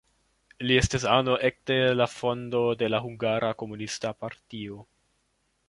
Li estis ano ekde la fondo de la Hungara Komunista partio.